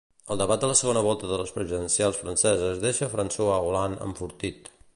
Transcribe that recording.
El debat de la segona volta de les presidencials franceses deixa Françoise Hollande enfortit.